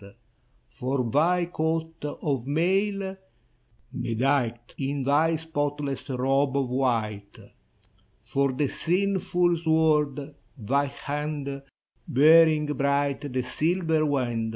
For thy coat of mail, bedight In thy spotless robe of white. For the sinful sword, — thy hand Bearing bright the silver wand.